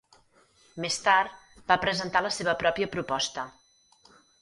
Més tard, va presentar la seva pròpia proposta.